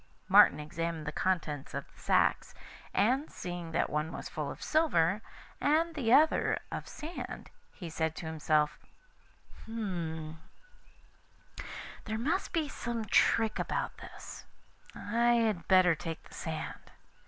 Martin examined the contents of the sacks, and seeing that one was full of silver and the other of sand, he said to himself: 'There must be some trick about this; I had better take the sand.